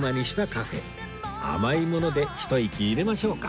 甘いものでひと息入れましょうか